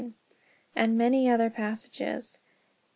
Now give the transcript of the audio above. And many other passages.